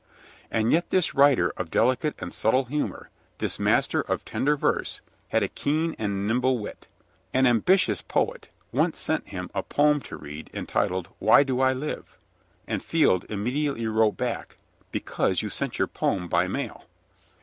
And yet this writer of delicate and subtle humor, this master of tender verse, had a keen and nimble wit. An ambitious poet once sent him a poem to read entitled "Why do I live?" and Field immediately wrote back: "Because you sent your poem by mail."